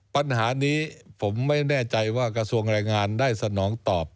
ปัญหานี้ผมไม่แน่ใจว่ากระทรวงแรงงานได้สนองตอบ